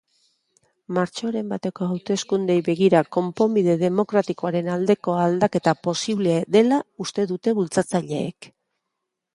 Martxoaren bateko hauteskundeei begira konponbide demokratikoaren aldeko aldaketa posible dela uste dute bultzatzaileek.